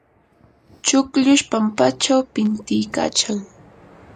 chukllush pampachaw pintiykachan.